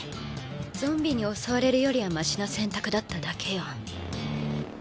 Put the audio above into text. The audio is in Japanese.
ゾンビに襲われるよりはましな選択だっただけよ